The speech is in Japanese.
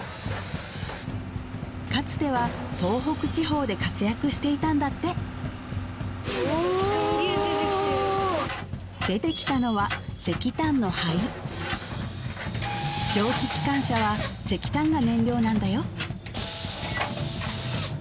かつては東北地方で活躍していたんだって出てきたのは石炭の灰蒸気機関車は石炭が燃料なんだよ